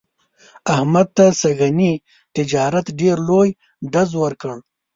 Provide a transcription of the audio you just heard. احمد ته سږني تجارت ډېر لوی ډز ور کړ.